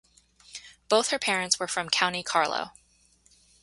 Both her parents were from County Carlow.